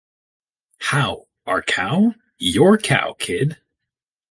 How, our cow? Your cow, kid!